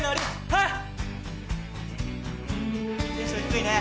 テンション低いね。